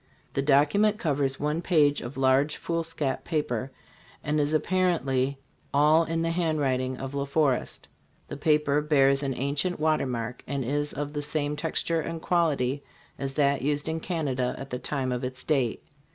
The document covers one page of large foolscap paper and is apparently all in the handwriting of La Forest. The paper bears an ancient watermark and is of the same texture and quality as that used in Canada at the time of its date.